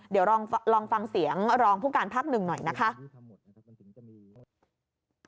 เดี๋ยวลองฟังเสียงรองผู้การภาคหนึ่งหน่อยนะคะ